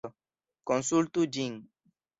Konsultu ĝin!